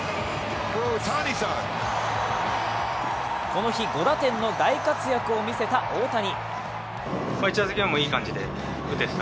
この日、５打点の大活躍を見せた大谷。